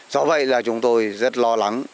do vậy là chúng tôi rất lo lắng